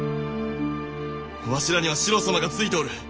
わしらには四郎様がついておる。